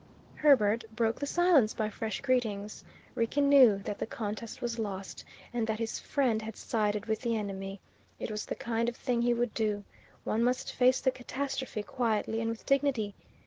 Herbert broke the silence by fresh greetings. Rickie knew that the contest was lost, and that his friend had sided with the enemy. It was the kind of thing he would do. One must face the catastrophe quietly and with dignity.